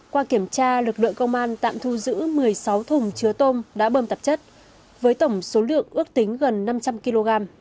qua kiểm tra lực lượng công an tạm thu giữ một mươi sáu thùng chứa tôm đã bơm tạp chất với tổng số lượng ước tính gần năm trăm linh kg